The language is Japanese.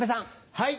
はい。